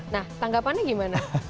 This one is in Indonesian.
nah tanggapannya gimana